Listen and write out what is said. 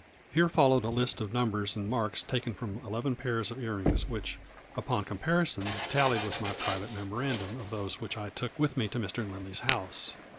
Here followed a list of numbers and marks taken from eleven pairs of ear rings which, upon comparison, tallied with my private memoran dum of those which I took with me to Mr. Lindley 's house.